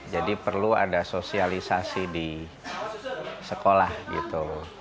jadi perlu ada sosialisasi di sekolah gitu